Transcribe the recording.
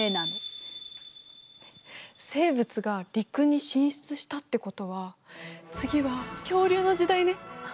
生物が陸に進出したってことは次は恐竜の時代ね。